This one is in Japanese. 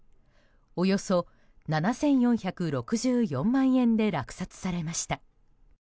およそ７４６４万円で落札されました。